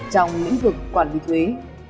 trong lĩnh vực quản lý thuế